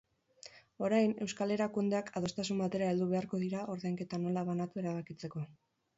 Orain, euskal erakundeak adostasun batera heldu beharko dira ordainketa nola banatu erabakitzeko.